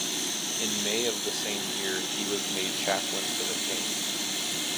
In May of the same year he was made Chaplain to the King.